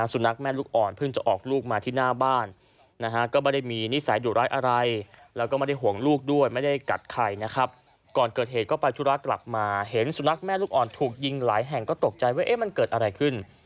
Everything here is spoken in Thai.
สุนัขแม่ลูกอ่อนเพิ่งจะออกลูกมาที่หน้าบ้าน